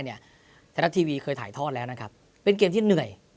ไทยรัฐทีวีเคยถ่ายทอดแล้วนะครับเป็นเกมที่เหนื่อย